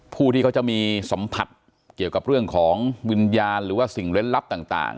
ผู้ที่เขาจะมีสัมผัสเกี่ยวกับเรื่องของวิญญาณหรือว่าสิ่งเล่นลับต่าง